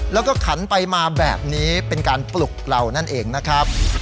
แล้วก็ขันไปมาแบบนี้เป็นการปลุกเรานั่นเองนะครับ